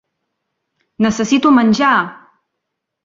Necessito menjar!